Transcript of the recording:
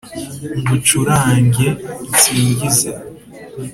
ngucurange nsingize